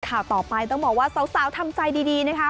ข่าวต่อไปต้องบอกว่าสาวทำใจดีนะคะ